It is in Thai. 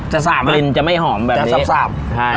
จะซาบมั้ยจะซาบซาบ